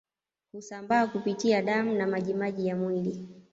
Husambaa kupitia damu na majimaji ya mwili